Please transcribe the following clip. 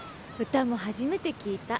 歌も初めて聞いた。